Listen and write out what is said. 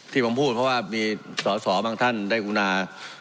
ที่ผมพูดเพราะว่ามีสอสอบางท่านได้กุณา